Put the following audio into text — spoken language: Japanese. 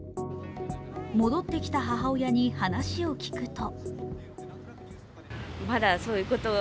戻ってきた母親に話を聞くと。